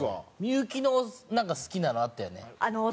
幸のなんか好きなのあったよね？